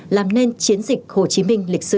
làm nên chiến dịch hồ chí minh lịch sử